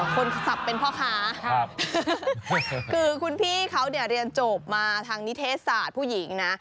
คนขับเป็นพ่อค้าคือคุณพี่เขาเนี่ยเรียนจบมาทางนิเทศศาสตร์ผู้หญิงนะ